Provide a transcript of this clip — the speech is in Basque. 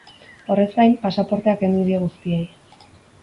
Horrez gain, pasaportea kendu die guztiei.